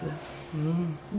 うん。